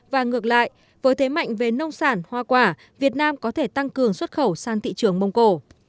và ngược lại với thế mạnh về nông sản hoa quả việt nam có thể tăng cường xuất khẩu sang thị trường mông cổ